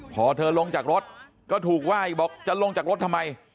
พอเธอลงจากรถก็ถูกว่าอีกบอกจะลงจากรถทำไม